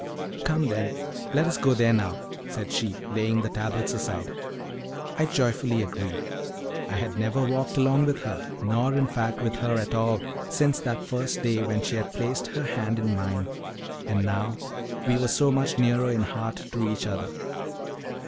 "Come, then, let us go there now," said she, laying the tablets aside. I joyfully agreed: I had never walked alone with her, nor, in fact, with her at all, since that first day when she had placed her hand in mine; and now we were so much nearer in heart to each other.